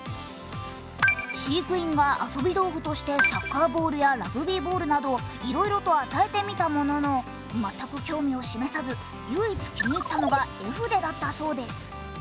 飼育員が遊び道具としてサッカーボールやラグビーボールなどいろいろと与えてみたものの全く興味を示さず唯一、気に入ったのが絵筆だったそうです。